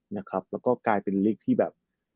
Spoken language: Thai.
แล้วก็กลายเป็นเลขที่แบบ